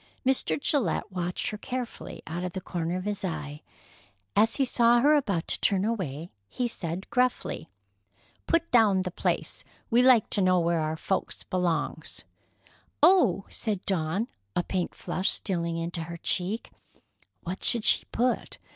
Mr. Gillette watched her carefully out of the corner of his eye. As he saw her about to turn away, he said gruffly: "Put down the place. We like to know where our folks belongs." "Oh!" said Dawn, a pink flush stealing into her cheek. What should she put?